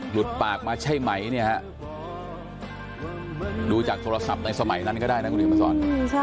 หลุดปากมาใช่ไหมเนี่ยฮะดูจากโทรศัพท์ในสมัยนั้นก็ได้นะคุณเห็นมาสอน